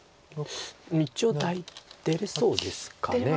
一応出れそうですか。